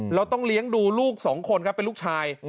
เราต้องเลี้ยงดูลูกสองคนครับเป็นลูกชาย